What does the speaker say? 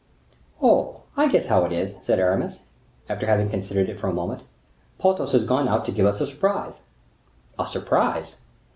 "Oh! I guess how it is," said Aramis, after having considered for a moment, "Porthos is gone out to give us a surprise." "A surprise?"